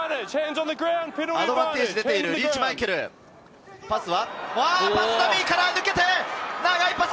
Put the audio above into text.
アドバンテージ出ている、リーチ・マイケル、パス、ダミーから抜けて、長いパス。